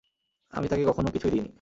আমি তাকে কখনো কিছুই দিইনি।